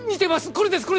これです